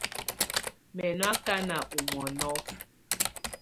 Mɛ nɔ akana ɔ mɔnɔfɔ.